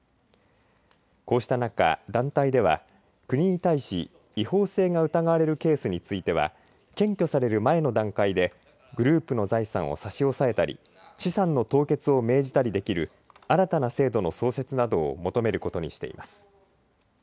こうした中、団体では国に対し違法性が疑われるケースについては検挙される前の段階でグループの財産を差し押さえたり資産の凍結を命じたりできる新たな制度の創設などを求めることにしています。